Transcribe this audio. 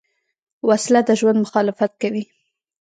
وسله د ژوند مخالفت کوي